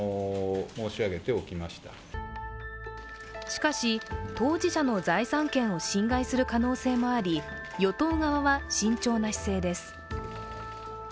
しかし、当事者の財産権を侵害する可能性もあり与党側は慎重な姿勢です。